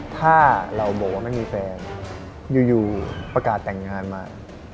ถ้าเราบอกว่าไม่มีแฟนอยู่ประกาศแต่งงานมา